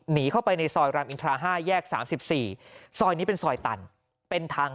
หนีเข้าไปในซอยรามอินทรา๕แยก๓๔ซอยนี้เป็นซอยตันเป็นทาง